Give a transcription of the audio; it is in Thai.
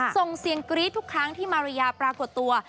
ส่งเสียงกรี๊ดทุกครั้งที่มาริยาปรากฏตัว